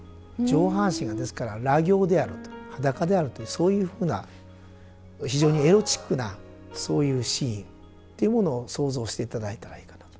上半身がですから裸形であると裸であるというそういうふうな非常にエロチックなそういうシーンっていうものを想像していただいたらいいかなと。